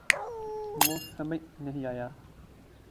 وہ سمجھ نہیں آیا